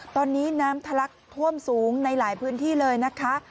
ตอนนี้น้ำทะลักท่วมสูงในหลายพื้นที่เลยนะคะ